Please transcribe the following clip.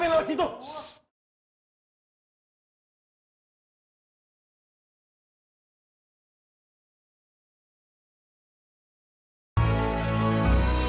lu tuh bisa lewat sini ma